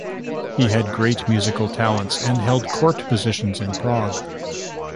He had great musical talents, and held court positions in Prague.